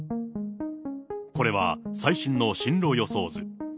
これは最新の進路予想図。